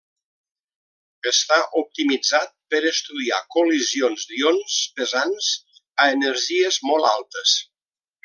Està optimitzat per estudiar col·lisions d'ions pesants a energies molt altes.